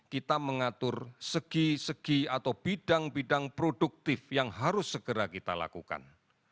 kita mengatur segi segi atau bidang bidang produktif yang harus segera kita lakukan